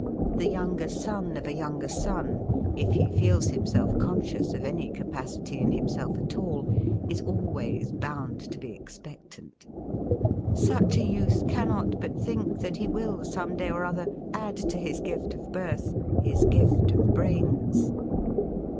The younger son of a younger son, if he feels him self conscious of any capacity in himself at all, is always bound to be expectant. Such a youth cannot but think that he will some day or other add to his gift of birth his gift of brains.